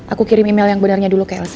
aku kirim email yang benernya dulu ke elsa